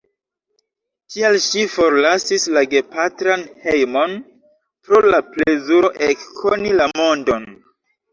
Tial ŝi forlasis la gepatran hejmon, pro la plezuro ekkoni la mondon.